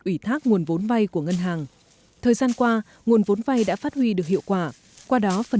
ủy thác nguồn vốn vay của ngân hàng thời gian qua nguồn vốn vay đã phát huy được hiệu quả qua đó phần